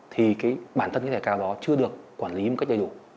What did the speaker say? thì cái bản thân cái thẻ cào đó chưa được quản lý một cách đầy đủ